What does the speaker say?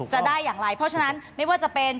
จะได้อย่างไรเพราะฉะนั้นไม่ว่าจะเป็น